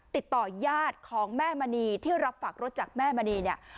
ติดต่อยาดของแม่มณีที่รับฝากรถจากแม่มณีเนี่ย